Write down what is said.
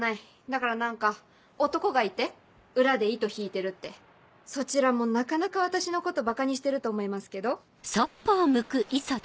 だから何か男がいて裏で糸引いてるってそちらもなかなか私のことバカにしてると思いますけど？